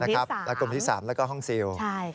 และกลุ่มที่๓แล้วก็ห้องซิล